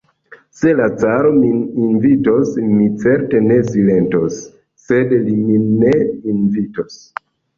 Se la caro min invitos, mi certe ne silentos, sed li min ne invitos.